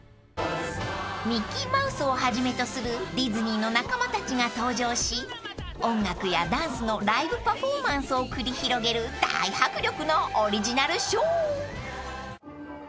［ミッキーマウスをはじめとするディズニーの仲間たちが登場し音楽やダンスのライブパフォーマンスを繰り広げる大迫力のオリジナルショー］